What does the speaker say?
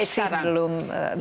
masih belum jelas